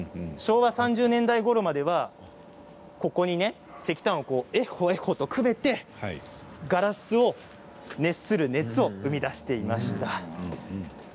昭和３０年代ごろまではここに石炭をエッホエッホとくべてガラスを熱する熱を生みだしていました。